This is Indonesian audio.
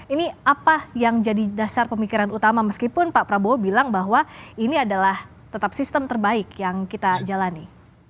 ini apa yang jadi dasar pemikiran utama meskipun pak prabowo bilang bahwa ini adalah tetap sistem terbaik yang kita jalani